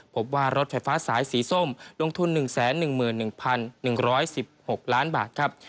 พบว่ารถไฟฟ้าสายสีส้มลงทุน๑๑๑๑๑๖ล้านบาทครับ